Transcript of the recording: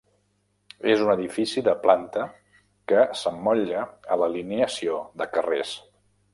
És un edifici de planta que s'emmotlla a l'alineació de carrers.